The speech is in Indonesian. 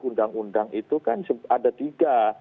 undang undang itu kan ada tiga